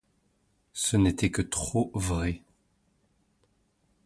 Ce n’était que trop vrai !